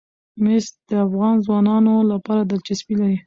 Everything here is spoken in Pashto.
مس د افغان ځوانانو لپاره دلچسپي لري.